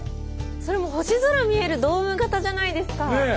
それも星空見えるドーム型じゃないですか。